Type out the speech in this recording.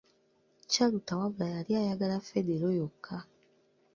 Chalter wabula yali eyagala Federo yokka.